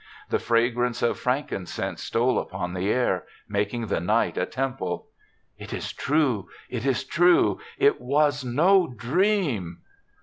The fragrance of frankincense stole upon the air, making the night a temple. "It is true. It is true. It was no dream."